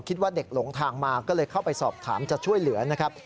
คิดว่าเด็กหลงทางมาก็เลยเข้าไปสอบถามจะช่วยเหลือนะครับ